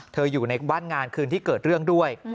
อยู่ในบ้านงานคืนที่เกิดเรื่องด้วย